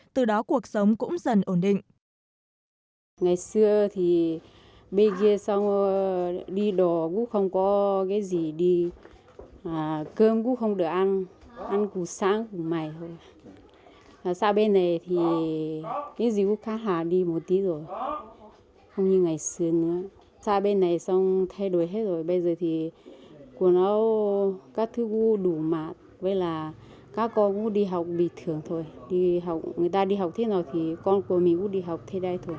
từ đó cuộc sống cũng dần ổn định